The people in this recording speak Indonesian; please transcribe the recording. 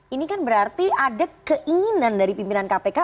ini kan berarti ada keinginan dari pimpinan kpk